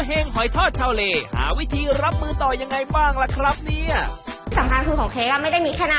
ร้านส่วนใหญ่ก็ยังอยู่ในแอปถูกไหมคะ